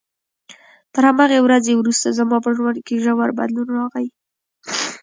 تر همغې ورځې وروسته زما په ژوند کې ژور بدلون راغی.